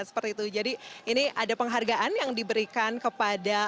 seperti itu jadi ini ada penghargaan yang diberikan kepada